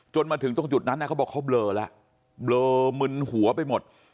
มาถึงตรงจุดนั้นเขาบอกเขาเบลอแล้วเบลอมึนหัวไปหมด